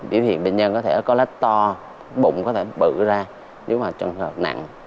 biểu hiện bệnh nhân có thể có lát to bụng có thể bự ra nếu mà trường hợp nặng